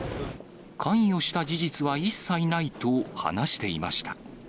関与した事実は一切ないと、話していました。